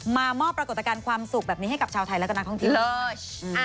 มามอบปรากฏการณ์ความสุขแบบนี้ให้กับชาวไทยและกับนักท่องเที่ยว